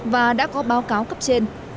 và đã có báo cáo cấp trên